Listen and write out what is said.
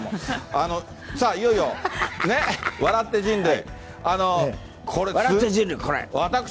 さあ、いよいよね、笑って人類！